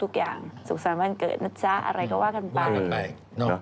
ทุกอย่างสุขสันต์วันเกิดนะจ๊ะอะไรก็ว่ากันบ้าง